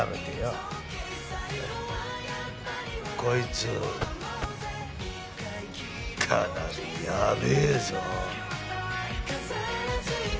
こいつかなりやべえぞ。